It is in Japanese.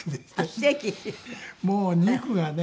もう肉がね